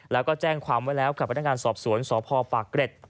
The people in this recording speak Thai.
แล้วก็แจ้งความว่าแล้วกลับไปทำการสอบสวนสอบพ่อปากเกร็ด